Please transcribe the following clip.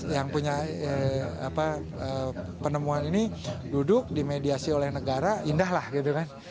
yang punya penemuan ini duduk dimediasi oleh negara indah lah gitu kan